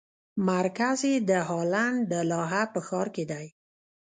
مرکز یې د هالنډ د لاهه په ښار کې دی.